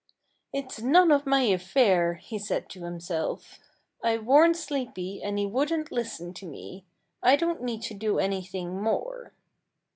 "It's none of my affair," he said to himself. "I warned Sleepy, and he wouldn't listen to me. I don't need to do anything more."